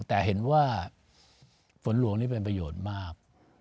แต่เห็นว่าฝนหลวงนี่เป็นประโยชน์มาก